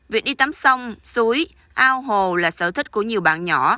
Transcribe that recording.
việc đi tắm sông suối ao hồ là sở thích của nhiều bạn nhỏ